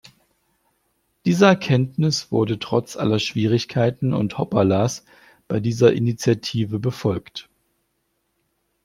Diese Erkenntnis wurde trotz aller Schwierigkeiten und Hoppalas bei dieser Initiative befolgt.